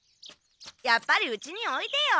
やっぱりうちにおいでよ。